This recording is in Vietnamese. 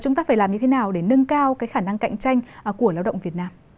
chúng ta phải làm như thế nào để nâng cao khả năng cạnh tranh của lao động việt nam